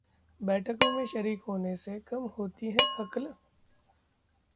बैठकों में शरीक होने से कम होती अक्ल?